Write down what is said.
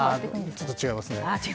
ちょっと違いますね。